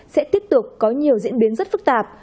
sẽ tiếp tục có nhiều diễn biến rất phức tạp